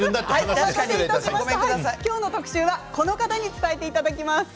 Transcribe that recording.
今日の特集はこの方に伝えていただきます。